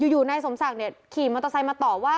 นายสมศักดิ์ขี่มอเตอร์ไซค์มาต่อว่า